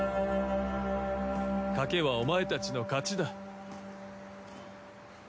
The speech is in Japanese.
賭けはお前たちの勝ちだ。